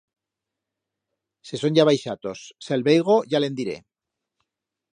Se son ya baixatos, se el veigo ya le'n diré.